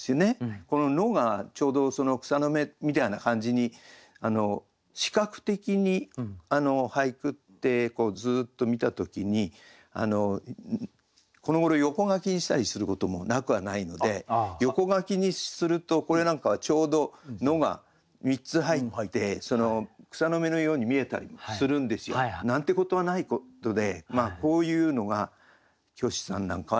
この「の」がちょうど「草の芽」みたいな感じに視覚的に俳句ってずっと見た時にこのごろ横書きにしたりすることもなくはないので横書きにするとこれなんかはちょうど「の」が３つ入って草の芽のように見えたりもするんですよ。なんてことはないことでこういうのが虚子さんなんかはね。